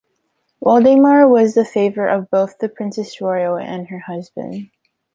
Waldemar was the favourite of both the Princess Royal and her husband.